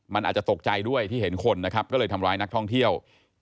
มันอาจจะตกใจด้วยที่เห็นคนนะครับก็เลยทำร้ายนักท่องเที่ยว